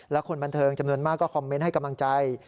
และคนบันเทิงจำนวนมากก็คอมเมนต์ให้กำลังใจ